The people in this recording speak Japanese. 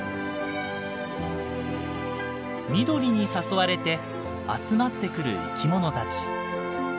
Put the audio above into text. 緑に誘われて集まってくる生き物たち。